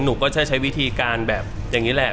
หนูก็จะใช้วิธีการแบบอย่างนี้แหละ